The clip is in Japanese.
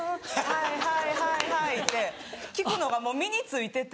はいはいはいはい」って聞くのがもう身に付いてて。